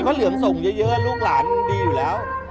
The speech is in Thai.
ก็เหลืองส่งเยอะลูกหลานมันดีอยู่แล้ว